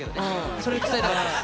それを伝えたかったです。